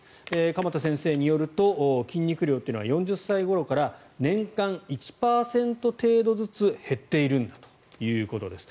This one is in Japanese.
鎌田先生によると筋肉量というのは４０歳ごろから年間１％程度ずつ減っているんだということです。